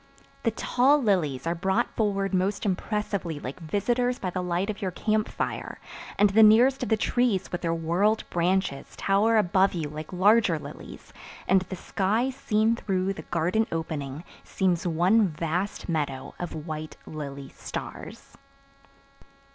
The tall lilies are brought forward most impressively like visitors by the light of your camp fire and the nearest of the trees with their whorled branches tower above you like larger lilies and the sky seen through the garden opening seems one vast meadow of white lily stars.